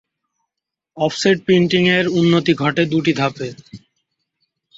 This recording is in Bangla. অফসেট প্রিন্টিং এর উন্নতি ঘটে দুটি ধাপে।